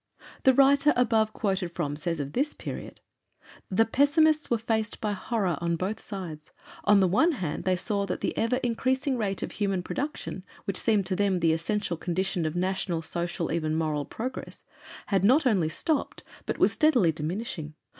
The writer above quoted from says of this period: "The pessimists were faced by horrors on both sides. On the one hand, they saw that the ever increasing rate of human production which seemed to them the essential condition of national, social, even moral progress, had not only stopped but was steadily diminishing.